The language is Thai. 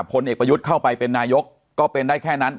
พลเอกประยุทธ์เข้าไปเป็นนายกก็เป็นได้แค่นั้น